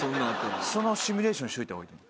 そのシミュレーションしておいた方がいいと思う。